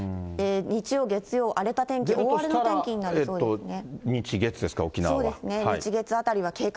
日曜、月曜、荒れた天気、大荒れの天気になりそうですね。